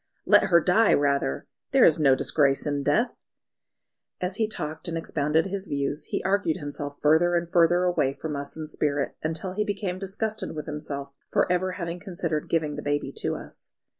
"Let her die rather! There is no disgrace in death." As he talked and expounded his views, he argued himself further and further away from us in spirit, until he became disgusted with himself for ever having considered giving the baby to us.